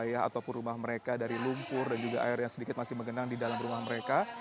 wilayah ataupun rumah mereka dari lumpur dan juga air yang sedikit masih mengenang di dalam rumah mereka